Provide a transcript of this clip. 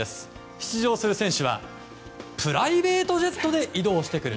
出場する選手はプライベートジェットで移動してくる。